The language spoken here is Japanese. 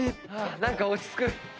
何か落ち着く。